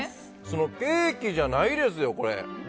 ケーキじゃないですよ、これ。